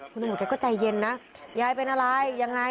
กูใจเย็นนะยายเป็นอะไร